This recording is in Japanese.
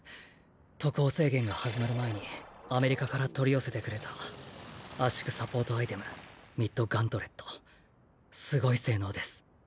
渡航制限が始まる前にアメリカから取り寄せてくれた圧縮サポートアイテムミッドガントレットすごい性能です。